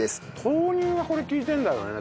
豆乳がこれ利いてるんだろうね。